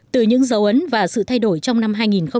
từ những dấu ấn và sự thay đổi trong năm hai nghìn một mươi tám